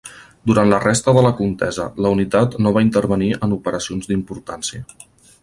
Durant la resta de la contesa la unitat no va intervenir en operacions d'importància.